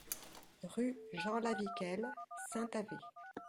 Rue Jean Laviquel, Saint-Avé